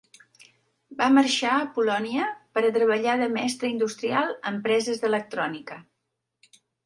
Va marxar a Polònia per a treballar de mestre industrial a empreses d'electrònica.